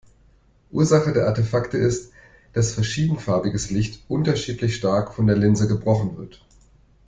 Ursache der Artefakte ist, dass verschiedenfarbiges Licht unterschiedlich stark von der Linse gebrochen wird.